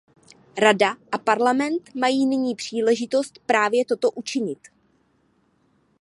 Rada a Parlament mají nyní příležitost právě toto učinit.